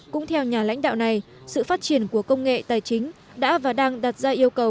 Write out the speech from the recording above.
cũng theo nhà lãnh đạo này sự phát triển của công nghệ tài chính đã và đang đặt ra yêu cầu